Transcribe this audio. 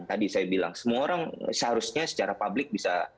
tadi saya bilang semua orang seharusnya secara publik bisa